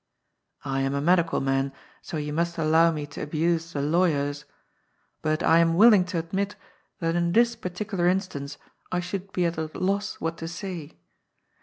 I am a medical man, so you must allow me to abuse the lawyers. But I am willing to admit that in this particular instance I should be at a loss what to say.